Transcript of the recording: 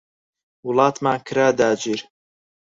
وڵاتمان کرا داگیر